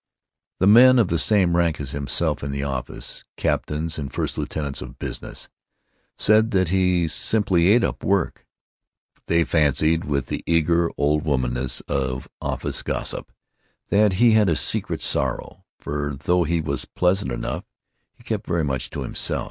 The men of the same rank as himself in the office, captains and first lieutenants of business, said that he "simply ate up work." They fancied, with the eager old womanishness of office gossip, that he had a "secret sorrow," for, though he was pleasant enough, he kept very much to himself.